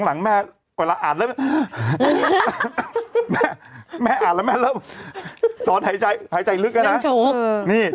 หลังแม่เวลาอ่านแล้วแม่แม่อ่านแล้วแม่เริ่มสอนหายใจหายใจลึกอ่ะนะ